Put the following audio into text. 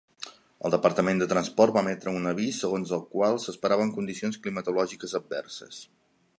El Departament de Transport va emetre un avís segons el qual s'esperaven condicions climatològiques adverses.